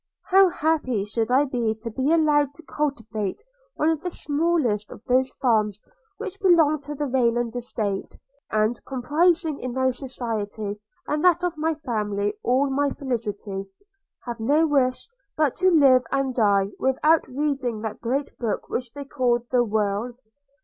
How happy should I be to be allowed to cultivate one of the smallest of those farms which belong to the Rayland estate, and, comprising in thy society and that of my family all my felicity, have no wish but to live and die without reading that great book which they call the World!